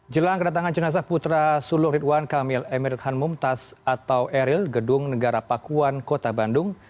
jelang kedatangan jenazah putra sulung ridwan kamil emil han mumtaz atau eril gedung negara pakuan kota bandung